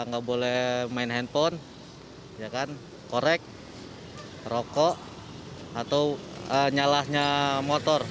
nggak boleh main handphone korek rokok atau nyalahnya motor